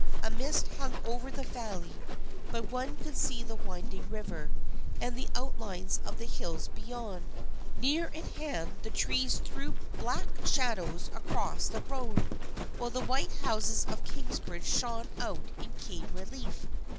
A mist hung over the valley, but one could see the winding river, and the outlines of the hills beyond. Near at hand the trees threw black shadows across the road, while the white houses of Kingsbridge shone out in keen relief.